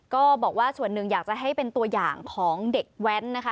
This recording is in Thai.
ก็บอกว่าส่วนหนึ่งอยากจะให้เป็นตัวอย่างของเด็กแว้นนะคะ